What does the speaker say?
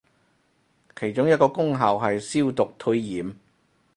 其中一個功效係消毒退炎